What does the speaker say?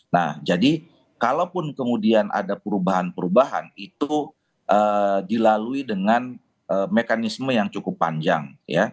nah jadi kalaupun kemudian ada perubahan perubahan itu dilalui dengan mekanisme yang cukup panjang